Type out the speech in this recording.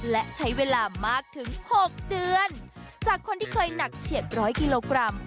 และใช้เวลามากถึง๖เดือนจากคนที่เคยหนักเฉียดร้อยกิโลกรัม